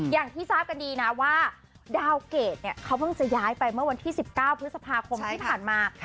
อย่างที่ทราบกันดีนะว่าดาวเกรดเนี่ยเขาเพิ่งจะย้ายไปเมื่อวันที่๑๙พฤษภาคมที่ผ่านมา